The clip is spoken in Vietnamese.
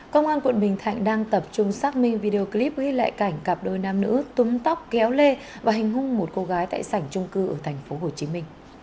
công an quận bình thạnh đang tập trung xác minh video clip ghi lại cảnh cặp đôi nam nữ túm tóc kéo lê và hành hung một cô gái tại sảnh trung cư ở tp hcm